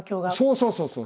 そうそうそうそう。